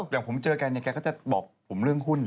อย่างผมเจอแกเนี่ยแกก็จะบอกผมเรื่องหุ้น